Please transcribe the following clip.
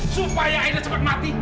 supaya aida cepat mati